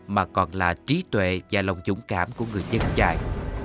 mà còn là trí tuệ và lòng dũng cảm của người dân trại